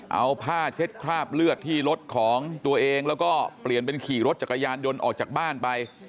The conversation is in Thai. เอาผ้าเช็ดคราบเลือดที่รถของตัวเองแล้วก็เปลี่ยนเป็นขี่รถจักรยานยนต์ออกจากบ้านไป